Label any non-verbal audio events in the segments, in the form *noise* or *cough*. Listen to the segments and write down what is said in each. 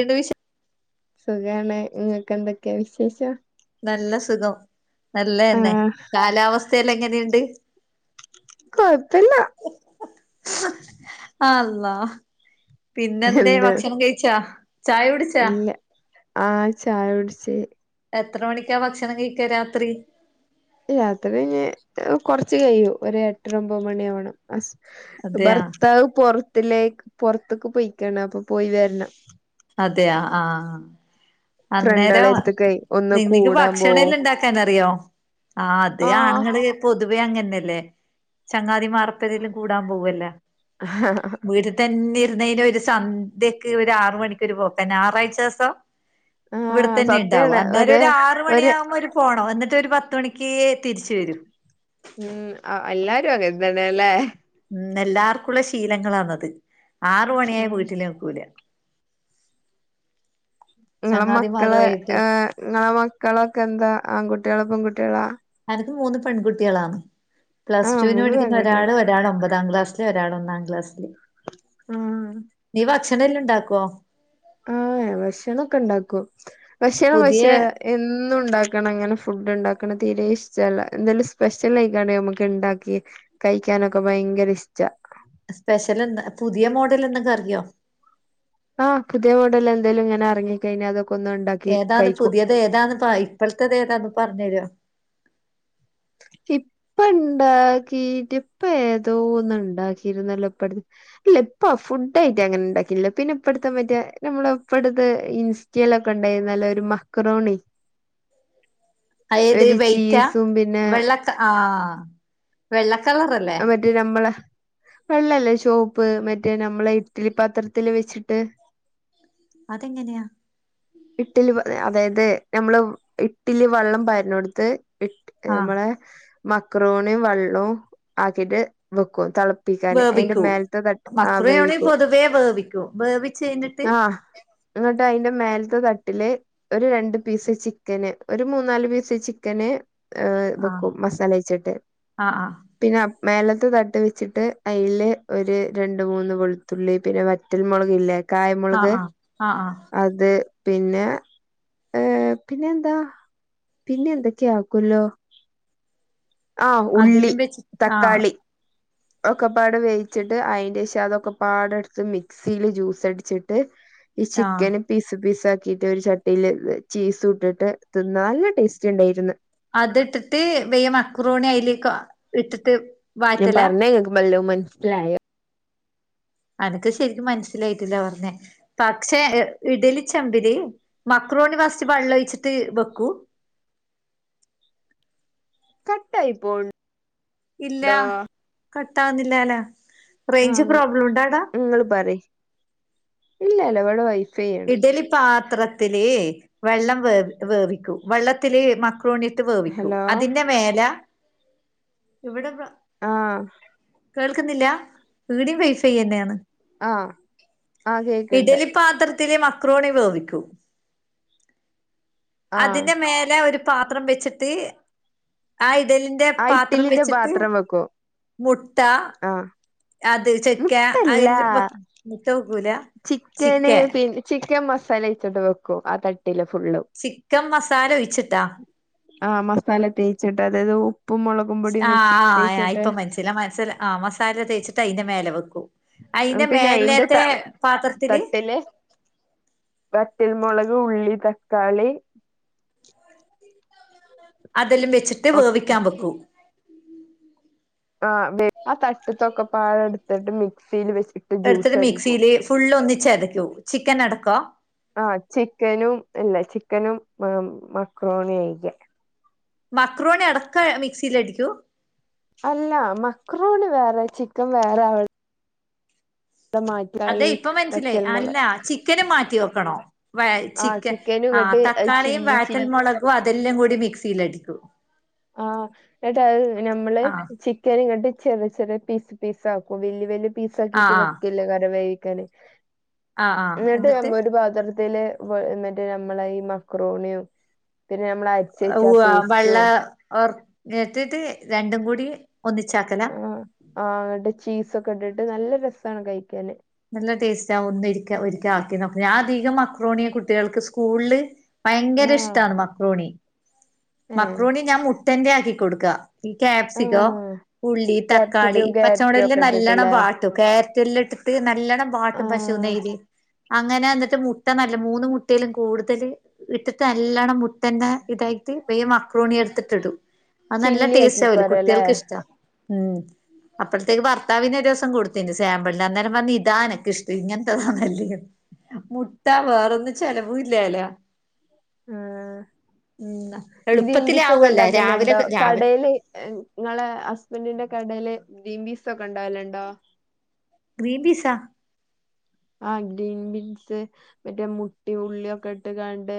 എത് വിഷം സുഖണ ഇങ്ങൾക്ക് എന്തൊക്കെയാ വിശേഷം നല്ല സുഖം നല്ലയന്നെ ആഹ് കാലാവസ്ഥെല്ല എങ്ങനെയണ്ട് കൊഴപ്പല്ല അല്ലാഹ്‌ പിന്നെന്തേ എന്ത് ഭക്ഷണം കഴിച്ചാ ചായ കുടിച്ചാ ഇല്ല ആഹ് ചായുടിച്ചു എത്ര മണിക്കാ ഭക്ഷണം കഴിക്ക രാത്രി രാത്രി ഇഞ് കൊറച്ച് കഴിയു ഒരു എട്ടര ഒമ്പത് മണി ആവണം അതെയാ ഭർത്താവ് പൊറത്തിലേക്ക് പൊറത്തൊക്കെ പോയിക്കണ അപ്പൊ പോയി വരണം അതെയ ആഹ് അന്നേരോ ഫ്രണ്ടാളെടുത്ത്ക്കേ ഒന്ന് നിങ്ങക്ക് കൂടാൻ പോവും ഭക്ഷണേല്ലാണ്ടാക്കനറിയോ ആഹ്തെ ആഹ് ആണുങ്ങള് പൊതുവെ അങ്ങന്നയല്ലേ ചങ്ങാതി മാറൊപ്പരേലും കൂടാൻ പോവല്ലെ ഹ്ഹഹ വീട്ട്ത്തന്നെ ഇര്ന്നയ്നൊര് സന്ധ്യക്ക് ഒരാറ് മണിക്കൊര് പോക്കാ നാറാഴ്ചേസം ഇവിടെ ആഹ് തന്നെണ്ടാവും സത്യാണ് അന്നേരം ഒര് ഒരാറ് ഒര് മണിയാമ്പോ പോണോ എന്നിട്ടൊര് പത്ത്വണിക്ക് തിരിച്ച് വരൂ ഉം എല്ലാരു അങ്ങെൻതന്നെല്ലേ ഉം എല്ലാർക്കുള്ള ശീലങ്ങളാന്നത് ആറ് മണിയായ ഉം വീട്ടില്ക്കൂല ങ്ങളെ ചങ്ങാതിമാരു മക്കളെ ആയിട്ട് ഏഹ് ങ്ങളെ മക്കളൊക്കെ എന്താ ആൺകുട്ടികളോ പെൺകുട്ടികളാ എനിക്ക് മൂന്ന് പെൺകുട്ടികളാണ് പ്ലസ് ആഹ് ടുവിന് മൂന്ന് പഠിക്കുന്ന ഒരാൾ പെൺകുട്ടികളാ ഒരാൾ ഒമ്പതാം ക്ലാസ് ഒരാളൊന്നാം ക്ലാസില് ആഹ് നീ ഭക്ഷണെല്ലണ്ടാക്കുവോ ആഹ് ഭക്ഷണൊക്കെണ്ടാക്കും ഭക്ഷണം പുതിയ പക്ഷേ എന്നുണ്ടാക്കണം ങ്ങനെ ഫുഡ്ണ്ടാക്കണം തീരേ ഇഷ്ടല്ല എന്തേലും സ്പെഷ്യലൈറ്റാണേ നമുക്ക്ണ്ടാക്കി കയിക്കാനൊക്കെ ഭയങ്കരീഷ്ട സ്പെഷ്യലെന്താ പുതിയ മോഡലെന്തെങ്കാറിയോ ആഹ് പുതിയ മോഡലെന്തേലുങ്ങനെറങ്ങി കഴിഞ്ഞാതൊക്കന്ന്ണ്ടാക്കും ഏതാത് പുതിയത് ഏതാന്ന് ഇപ്പോഴത്തെതേതാന്ന്‌ പറഞ്ഞു തരുമോ ഇപ്പെ എണ്ടാക്കിട്ട് ഇപ്പൊ ഏതോ ഒന്ന് ഉണ്ടാക്കിയിരുന്നല്ലോ ഇപ്പഴ്‌ ഇല്ല ഇപ്പൊ ഫുഡ് ആയിട്ട് അങ്ങനെ ഉണ്ടാക്കില്ല പിന്നെ ഇപ്പഴത്തെ മറ്റേ നമ്മടെ ഇപ്പഴത്തെ ഇസ്റ്റ ഇൻസ്റ്റയിലൊക്കെ ഉണ്ടായിരുന്നല്ലോ ഒരു മക്റോണി ബല്ല് അഴിഞ്ഞ അതയെത് വൈറ്റാ ചീസും പിന്നെ വെള്ള ആഹ് വെള്ളക്കളറല്ലേ റ്റ് നമ്മള് വെള്ളല്ലേ ചോപ്പ് മറ്റേ നമ്മളെ ഇഡ്ലി പാത്രത്തില് വെച്ചിട്ട് അതെ എങ്ങനെയാ ഇട്ടില് അതായത് നമ്മള് ഇട്ടിലി വെള്ളം പാരുന്നെടുത്തു ആഹ് നമ്മളെ മക്രോണിയും വെള്ളവും ആക്കിട്ട് വെക്കും തിള പ്പിക്കാന് അതിന്റെ വേവിക്കൂ മേലത്തെ തട്ട് ആ മക്രുയോണി വേവിക്കുക പൊതുവേ വേവിക്കും വേവിച്ച് കഴിഞ്ഞിട്ട് ആഹ് എന്നിട്ട് അതിന്റെ മേൽ ത്തെ തട്ടില് ഒരു രണ്ട് പീസ് ചിക്കന് ഒരു മൂന്നാല് പീസ് ചിക്കന് ആഹ് വെക്കും മസാല തേച്ചിട്ട് ആഹ് ആഹ് പിന്നെ മേലത്തെ തട്ട് വെച്ചിട്ട് അയില് ഒരു രണ്ട് മൂന്ന് വെളുത്തുള്ളി പിന്നെ വറ്റൽ മുളക് ഇല്ലേ ആഹ് കായമുളക് ആഹ് ആഹ് ആഹ് അത് പിന്നെ ഏഹ് പിന്നെന്താ പിന്നെ എന്തൊക്കെയോ ആക്കുവല്ലോ ആഹ് ഉള്ളി, അതിലും വെച്ച് ആഹ് തക്കാളി ഒക്കെപ്പാടെ വേവിച്ചിട്ട് അതിന്റെ ശകം അതൊക്കെ പാടെ എടുത്ത് മിക്സിയില് ജ്യൂസ് അടിച്ചിട്ട് ഈ ആഹ് ചിക്കനും പീസ് പീസ് ആക്കിയിട്ട് ഒരു ചട്ടിയില് ചീസ് ഇട്ടിട്ട് തിന്നാൽ‌ നല്ല ടേസ്റ്റ് ഉണ്ടായിരുന്നു അത് ഇട്ടിട്ട് വേ മക്റോണി അയിലേക്ക് ഇട്ടിട്ട് ഞാൻ വാറ്റല പറഞ്ഞ നിങ്ങൾക്ക് വല്ലോം മനസ്സിലായോ അനക്ക് ശരിക്കും മനസ്സിലായിട്ടില്ല പറഞ്ഞെ പക്ഷേ ഇഡലി ചെമ്പില് മക്രോണി ഫസ്റ്റ് വെള്ളം ഒഴിച്ചിട്ട് വെക്കൂ കട്ടായി ഫോൺ ഇല്ല കട്ട് ആവുന്നില്ലാലോ റേഞ്ച് പ്രോബ്ലം ഉണ്ടായൊടാ നിങ്ങള് പറയ് ഇല്ലല്ലോ ഇവിടെ വൈഫൈയ് ഇഡ്ഡലി പാത്രത്തില് വെള്ളം വേവ് വേവിക്കു വെള്ളത്തില് മക് മക്രോണിയിട്ട് വേവിക്കും ഹലോ അതിന്റെ മേലാ ഇവടെ ആഹ് കേൾക്കുന്നില്ല ഇവിടെയും വൈഫൈ തന്നെയാണ് ആഹ് ആഹ് കേക്കണ്ട് ഇഡലി പാത്രത്തില് മക്രോണി വേവിക്കു ആഹ് അതിന്റെ മേലെ ഒരു പാത്രം വെച്ചിട്ട് ആ ഇഡ്ഡലി ന്റെ ആ പാത്രം ഇഡ്ഡലിന്റെ വെച്ചിട്ട് പാത്രം വെക്കും മുട് ആഹ് അത് ഉച്ചക്ക മുട്ടല്ല അയില് വെ മൊത്തം വെക്കൂല ചിക്കന് ചിക്കൻ പിന്നെ ചിക്കൻ മസാലയിട്ടിട്ട് വെക്കും ആ തട്ടില് ഫുള്ളും ചിക്കൻ മസാല ഒഴിച്ചിട്ടാ ആഹ് മസാല തേച്ചിട്ട് അതായത് ഉപ്പും, മുളകും പൊടിയും വെച്ച് ആഹ് ആഹ് തേച്ചിട്ട് ഇപ്പൊ മനസ്സിലായി ആഹ് മസാല തേച്ചിട്ട് അതിന്റെ മേലെ വെക്കും അയിന്റെ പിന്നെ അയിന്റെ ത മേലെത്തെ പാത്രത്തില് വറ്റൽമുളക് ഉള്ളി തക്കാളി അതെല്ലാം വെച്ചിട്ട് വേവിക്കാൻ വെക്കും ആഹ് അതേ ആ തട്ടത്തൊക്കെ പാഴ എടുത്തിട്ട് മിക്സിയിൽ വെച്ചിട്ട് ജ്യൂസ് എടുത്തിട്ട് അടിക്കും മിക്സിയില് ഫുൾ ഒന്നിച്ച് അരയ്ക്കും ചിക്കൻ അടക്കവോ ആഹ് ചിക്കനും യില്ലെ ചിക്കനും മക്രോണിയും കഴിക്കാം മക്രോണി അടക്കം മിക്സിയിൽ അടിക്കുവോ അല്ല, മക്രോണി വേറെ, ചിക്കൻ, വേറെവിടെ തെമാ അതെയ് ഇപ്പ മനസ്സിലായി അല്ല ചിക്കനും മാറ്റി വെക്കണോ? വ ആ ചിക്കൻ ചിക്കനും ആഹ് ഇങ്ങട്ട് തക്കാളിയും ചില്ലി വാറ്റൽ ചില്ലി മൊളകും അതെല്ലം കൂടി മിക്സീലടിക്കു. ആഹ് ന്ന്ട്ടത് ഞമ്മള് ആഹ് ചിക് ക്കന്ങ്ങട്ട്, ചെറിയ, ചെറിയ, പീസ്, പീസാക്കും, വെല്യ വെല്യ, ആഹ് പീസാക്കിട്ട്, ആഹ് വെക്കില്ലേയ്ക്കാരം, വേവിക്കാന്. ആഹ് ആഹ് ന്നിട്ട് ഞമ്മ, എന്നിട്ട് ഒരു പാത്രത്തില് പേ, എന്നിറ്റ്, നമ്മളയീ, മക്രോണിയും, പിന്നെ, നമ്മള ഉവാ, വെള്ള ർത്തിട്ട്, രണ്ടും, കൂടി, ഒന്നിച്ചാക്കല? ആഹ് ആഹ്, അങ്ങട്ട് ചീസക്കെട്ടിട്ട്, നല്ല രസണ്, കയ്ക്കാൻ. നല്ല, ടേസ്റ്റാ, ഒന്നൊരിക്ക, ഒരിക്ക, ആക്കി, നോക്ക ഞാധികം മക്രോണിയ, കുട്ടികൾക്ക്, സ്കൂൾല് ആഹ് ഭയങ്കരഷ്ടാണ്, മക്രോണി, ഏഹ് മക്രോണി ഞാൻ, മുട്ടന്റെ, ആക്കി, കൊടുക്ക. ഈ, ക്യാപ്സികോ, ആഹ് ഉള്ളി, തക്കാളി, ക്യാപ്സിക്കും ക്യാരറ്റും പച്ചമൊളയില, ഒക്കെ നല്ലണം, ഇട്ടിട്ടില്ലേ ബാ ക്യാരറ്റെല്ലാ ഇട്ടിട്ട്, നല്ലണം, വാട്ടും, പശു ആഹ് നെയല് അങ്ങനാന്നിട്ട് മുട്ട, നല്ല, മൂന്ന് മുട്ടയിലും, കൂടുതൽ ഇട്ടിട്ട്, നല്ലണ്ണം, മുട്ടന്റെ, ഇതായിട്ട്, ബയ്യെ മക്രോണി എടുത്തിട്ട്ടും. അത് നല്ല ചില്ലി ടേസ്റ്റാവല്, ആക്കിക്കോരല്ലേ കുട്ടികൾക്ക്ഷ്ട. ഉം അപ്പഴ്ത്തേക്ക് ഭർത്താവിനൊരൂസം, കൊടുത്തിന് സാമ്പിളിന് അന്നേരം വന്ന, ഇതാനക്കിഷ്ടം, ഇങ്ങനത്തെതാഹ് നല്ലേന്ന് മുട്ട വേറൊന്നും ചെലവൂല്ലാല്ലോ. ആഹ് ഉം ഗ്രീൻ പീസൊക്കെ എളുപ്പത്തിലാവുവല്ല രാവിലെ ഒണ്ടാക്കല്ലണ്ടോ രാവിലെ കടേല് ങ്ങളെ, ഹസ്ബൻഡിന്റെ കടേല് ഗ്രീം പീസൊക്കെ ണ്ടാവലിണ്ടോ ഗ്രീൻപീസാ? ആഹ് ഗ്രീൻ പീസ് മറ്റേ മുട്ടി ഉള്ളി ഒക്കെ ഇട്ട്കാണ്ട്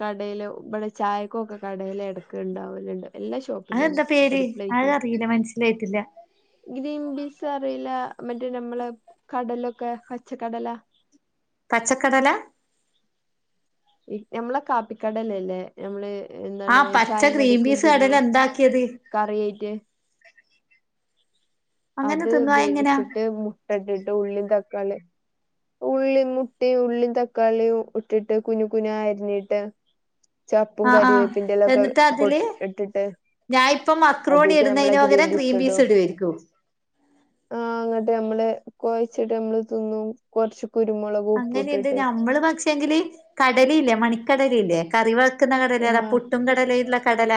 കടേല് ഇബടെ ചായക്കൊക്കെ കടേലെട്കല്ണ്ടാവലിണ്ട്, എല്ല ശോ അതെന്താ, പേര്, അത് അറിയില്ല, മനസ്സിലായിട്ടില്ല. ഗ്രീൻബീസ്റില്ല, മറ്റേ നമ്മള്, കടലൊക്കെ, പച്ചക്കടലാ. പച്ചക്കടല. ഇ ഞമ്മളെ, കാപ്പിക്കടല്ലല്ലേ? ഞമ്മള്, എന്താണ്, ആഹ് പച്ച ചായെം ഗ്രീൻ കടിക്കും, പീസ് തിന്നു, കടല എന്താക്കിയത് കറിയായിട്ട്. അങ്ങനെ അത്, തിന്നോ അതെങ്ങനാ വേവിച്ചിട്ട്, മുട്ടട്ടിട്ട്, ഉള്ളീം തക്കാളിം ഉള്ളി, മുട്ടയും, ഉള്ളും തക്കാളിയും, ഇട്ടിട്ട് കുന്കുനാരിഞ്ഞിട്ട്. ചപ്പും, ആഹ് ആഹ് കരിവേപ്പിന്റെലക്കെ, കൊ ഇട്ടിട്ട്. ഞായിപ്പം മക്രോണി അതിക്ക് നമ്മളെ ഇടുന്നയ്ന് ഗ്രീൻ പകരം ക്രീം പീസ് ഇടും ഇടവാരിക്കൂ. ആഹ് അങ്ങട്ട് നമ്മള് കൊഴച്ചിട്ട് നമ്മള് തിന്നും കുറച്ച് കുരുമുളകു അങ്ങനെ എന്ത് നമ്മള് പക്ഷേെങ്കില് കടല ഇല്ലേ മണിക്കടല ഇല്ലേ കറി വെള ക്കുന്ന കടല അതാ ആഹ് പുട്ടും കടലേല്ല കടല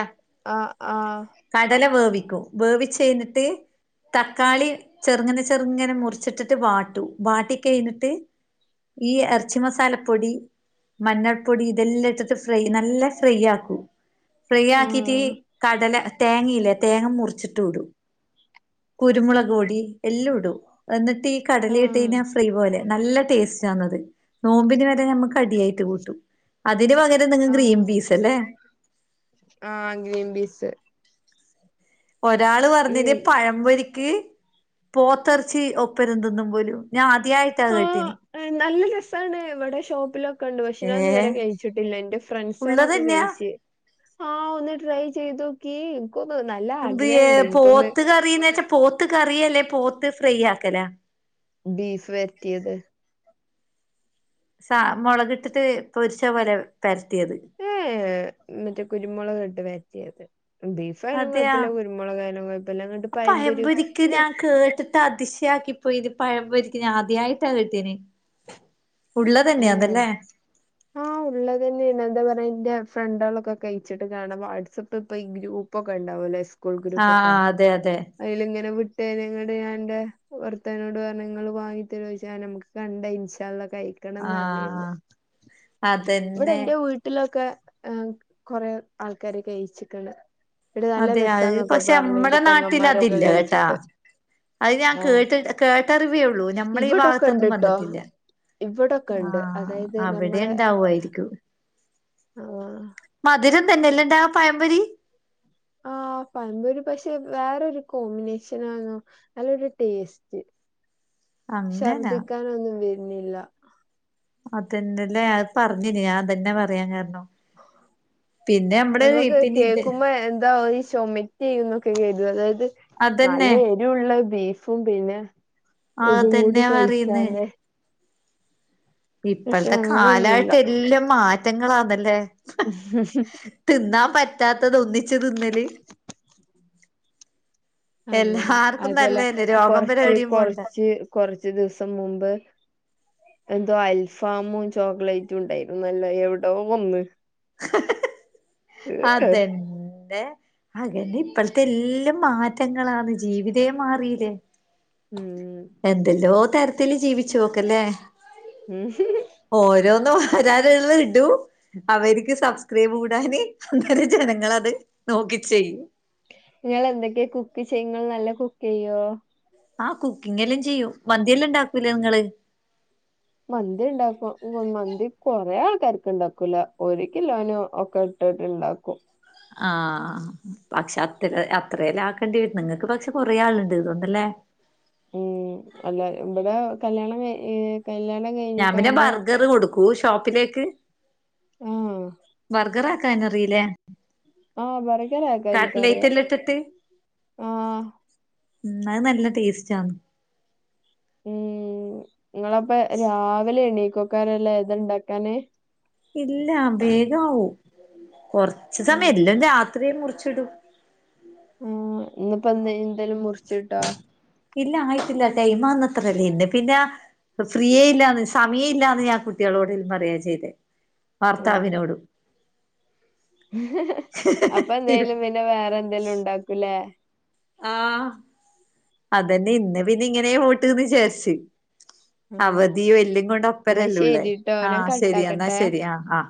ആഹ് ആഹ് കടല വേവിക്കൂ വേവിച്ചയ്ഞ്ഞിട്ട് തക്കാളി ചെറുങ്ങനെ ചെറുങ്ങനെ മുറിച്ചിട്ടിട്ട് വാട്ടു വാട്ടി കഴിഞ്ഞിട്ട് ഈ എർച്ചി മസാലപ്പൊടി മഞ്ഞൾപൊടി ഇതെല്ലാട്ടിട്ട് ഫ്രൈ നല്ല ഫ്രൈ ആക്കൂ. ഫ്രീ ആക്കീട്ടീ ആഹ് കടല തേങ്ങയില്ലേ തേങ്ങ മുറിച്ചിട്ടുടും. കുരുമുളകൊടി എല്ലാം ഇടൂ എന്നിട്ട് ഈ ആഹ് കടലിട്ടീന ഫ്രീ പോലെ നല്ല ടേസ്റ്റാണത് നോമ്പിന് വരെ ഞമ്മക്കടിയായിട്ട് കൂട്ടും. അതിന് പകരം നിങ്ങക്ക് ഗ്രീം ആഹ് പീസ്ല്ല്ലേ ആഹ് ഗ്രീൻബീസ്. ഒരാള് പറഞ്ഞത് ഉം പഴംപൊരി ക്ക് പോത്തെർച്ചി ഒപ്പരം തിന്നും പോലും ഞാൻ അദ്യായിട്ടാ ആഹ് കേട്ടിനി. നല്ല രസാണ് ഇവിടെ ഷോപ്പിലൊ കണ്ടു പക്ഷെ ഏ ഞാതുവരെ കഴിച്ചിട്ടില്ല എന്റെ ഉള്ളത് ഫ്രണ്ട്സുകളൊക്കെ തന്നെയാ കഴിച്ച് ആഹ് ഒന്ന് ട്രൈ ചെയ്തോക്കി എനിക്കൊന്ന് നല്ല ആഗ്രഹണ്ട് എനിക്കൊന്ന് ന്ന്ച്ചാ പോത്ത് കറി അല്ലേ പോത്ത് ഫ്രൈ ആക്കല ബീഫ് വര്ട്ടിയത് സ മുളക് ഇട്ടിട്ട് പൊരിച്ച പോരെ പരട്ടിയത് ഏഹ് മറ്റേ കുരുമുളക് ഇട്ട് വെര്റ്റിയത് ബീഫായാലും അതെയാ കുഴപ്പില്ല കുരുമുളകായാലും കുഴപ്പമില്ല അങ്ങോട്ട് പയമ്പര് പഴംപൊരിക്ക് ന്റെ ഞാൻ കേട്ടിട്ട് അതിശയാക്കിപ്പോയി ഇത് പഴംപൊര്ച്ച് ആദ്യായിട്ടാ കേട്ടീനീ ഉള്ളതന്നെയാ ഏഹ് അതന്നേ ആഹ് ഉള്ളത്തന്നെയാണ് എന്താ പറയാ എന്റെ ഫ്രണ്ടുകളൊക്കെ കഴിച്ചിട്ട് കാണാം വാട്സആപ്പ് ഇപ്പൊ ഗ്രൂപ് പ്പക്കെ ഉണ്ടാവൂല്ലേ സ്കൂൾ ഗ്രൂപ്പ ഒക്കെ ആഹ് അതെ അതെ അതിൽ ഇങ്ങനെ വിട്ടേ ഞങ്ങളുടെ ഞൻന്റെ വർത്തനോട് പറഞ്ഞ് ങ്ങള് വാങ്ങി തര്വോ ചോദിച്ച് നമുക്ക് കണ്ട ഇൻഷാല്ല കഴിക്കണംന്ന്റിരുന്നു ആഹ് ഇവിടെ അതന്നെ എന്റെ വീട്ടിലൊക്കെ കൊറേ ആൾക്കാര് കയിച്ചിക്കണ് ഇവര് നല്ല അതെ അത് രസാന്നൊക്കെ പക്ഷെ പറഞ്ഞു എന്റെ നമ്മടെ നാട്ടിൽ പെങ്ങമാരൊക്കെ അതില്ല കേട്ടാ കഴിച്ചിട്ട് അത് ഞാൻ ആഹ് കേട്ട് കേട്ടറിവേയുള്ളൂ നമ്മള് ഈ ഇവിടൊക്കെ ഭാഗത്തൊന്നും ഇണ്ട്ട്ടോ വന്നിട്ടില്ല ഇവിടൊക്കെ ഉണ്ട് അതായത് നമ്മളെ അവ്വാരിക്കും ആഹ് മധുരം തന്നെല്ലണ്ടാ പയംമ്പൊരി ആഹ് പയമ്പൊരി പക്ഷെ വേറൊരു കോമ്പിനേഷനാണ് അല്ലരു ടേസ്റ്റ് അങ്ങനാ ഛർദിക്കാനൊന്നും വരുന്നില്ല അതന്നല്ലേ പറഞ്ഞന് ഞാതന്നെ പറയാൻ കാരണോ നമക്ക് പിന്നെ ഇത് കേക്കുമ്പോ എന്താ ഒരു ചോമി ചെയ്യുന്നൊക്കെ കേട്ടു അതായത് നല്ല അതന്നെ എരിവുള്ള ബീഫും പിന്നെ ഇതും കൂടി അതന്നെ പറയുന്ന് കയ്ചാലെ പക്ഷെ ഇപ്പല്ത്തെ അങ്ങനൊന്നുല്ല കാലായിട്ട് എല്ലാം മാറ്റങ്ങളാന്നല്ലേ ഉംഹ് തിന്നാൻ പറ്റാത്തത് ഒന്നിച്ചു തിന്നല് അങ്ങനെ എല്ലാർക്കും അതുപോലെ നല്ലതന്നെ രോഗം വരെ കൊറച്ച് എവിടെയും പോണ്ട കൊറച്ച് കൊറച്ച് ദിവസം മുമ്പ് എന്തോ അൽഫാമും ചോക്ലേറ്റും ഉണ്ടായിരുന്നല്ലോ എവിടോ വന്ന് ഹ ഹ ഹ അതന്നെ അതന്നെ ഇപ്പോഴത്തെ എല്ലാം മാറ്റങ്ങളാണ് ജീവിതേ മാറീല്ലേ ഉം എന്തെല്ലോ തരത്തില് ജീവിച്ചു നോക്കല്ലേ ഉം *unintelligible* ഓരോന്നും വരാനിള്ള ഇടു അവ എനിക്ക് സബ്സ്ക്രൈബ് കൂടാന് അന്നേര ജനങ്ങളത് നോക്കി ചെയ്യും നിങ്ങൾ എന്തൊക്കെയാ കുക്ക് ചെയ്യ നല്ല കുക്ക് ചെയ്യോ? ആ കുക്കിംഗ എല്ലാം ചെയ്യും. മന്തിയെല്ലാം ഉണ്ടാക്കൂലെ നിങ്ങള്?? മന്തി ഉണ്ടാക്കും മന്തി കൊറെേ ആൾക്കാർക്ക് ഉണ്ടാക്കൂല ഒരു കിലോനും ഒക്കെ ഇട്ടുണ്ടാക്കും അഹ് പക്ഷെ അത്ര അത്രേല്ല ആക്കേണ്ടി വരും നിങ്ങൾക്ക് പക്ഷെ കൊറെേ ആളുണ്ട് ഇതുകൊണ്ടല്ലേ ഉം അല്ല ഇവിടെ കല്യാണം കയ് കല്യാണം ഞാൻ പിന്നെ കഴിഞ്ഞിക്കാണ്ട് ബർഗർ കൊടുക്കൂ ഷോപ്പിലേക്ക് ആഹ് ബർഗർ കാനറിയില്ലേ ആഹ ബർഗർ ഇണ്ടാകാനക്ക എനിക്കറിയ എല്ലാം ഇട്ടിട്ട് അഹ് ഉ അത് നല്ല ടേസ്റ്റ് ആണ് ഉം നിങ്ങളപ്പ രാവിലെ എണീക്കോക്കാരല്ല ഏത്ണ്ടാക്കാന് ഇല്ല വേഗമാവും കൊറച് ആഹ് സമയംല്ലാം രാത്രിയ മുറിച്ചിടും ഉ ഇന്നിപ്പോ എന്ത എന്തോലും മുറിച്ചട്ടോ ഇല്ല ആയിട്ടില്ല ടൈമാന്ന്ത്രല്ലേ ഇന്ന് പിന്നെ ഫ്രീയേ ഇല്ലന്ന് സമയമ ഇല്ലാന്ന് ഞൻ കുട്ടികളോടങ്കലും പറിയയാൻ ചെയ്തത് ഉം ഭർത്താവിനോടും അപ്പൊ എന്തായാലും പിന്നെ വേറെ എന്തേലും ഉണ്ടാക്കൂലേ ആ അതെന്നെ ഇന്ന് പിന്നെ ഇങ്ങനെ പോട്ട്ന്ന് വിചാരിച് ഉം അവധിയ വല്ലും കൊണ്ട് എന്നാ അപ്പരല്ലള്ളേ ശരിട്ടോ ഞാൻ ആഹ് ശരി എന്നാ കട്ടാക്കട്ടെ ശരി ആ ആ